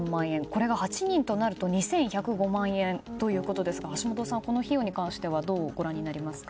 これが８人となると２１０５万円ということですが橋下さん、この費用に関してはどうご覧になりますか？